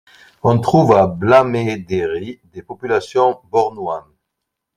On trouve à Blamédéri des populations Bornouan.